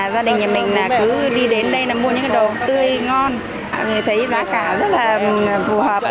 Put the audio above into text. gia đình nhà mình cứ đi đến đây mua những cái đồ tươi ngon người thấy giá cả rất là phù hợp